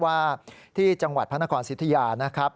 ว่าที่จังหวัดพระนครสิทธิยานะครับ